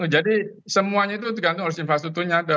jadi semuanya itu tergantung infrastrukturnya